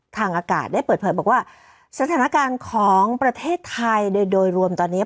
ทางอากาศได้เปิดเผยบอกว่าสถานการณ์ของประเทศไทยโดยรวมตอนนี้